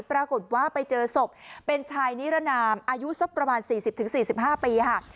ปรากฏว่าไปเจอศพเป็นชายนิรนามอายุสักประมาณ๔๐๔๕ปีค่ะ